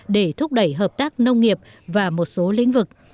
để thúc đẩy hợp tác nông nghiệp và một số lĩnh vực